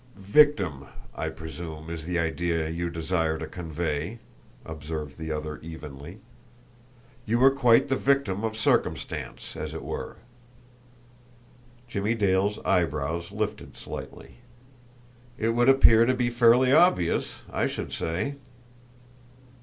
"'Victim,' I presume, is the idea you desire to convey," observed the other evenly. "You were quite the victim of circumstances, as it were!" Jimmie Dale's eyebrows lifted slightly. "It would appear to be fairly obvious, I should say."